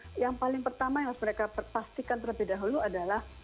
nah yang paling pertama yang harus mereka pastikan terlebih dahulu adalah